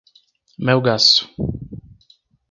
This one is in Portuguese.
Melgaço